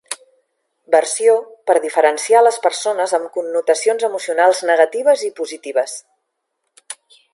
versió" per diferenciar les persones amb connotacions emocionals negatives i positives.